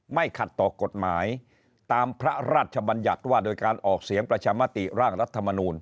ขัดต่อกฎหมายตามพระราชบัญญัติว่าโดยการออกเสียงประชามติร่างรัฐมนูล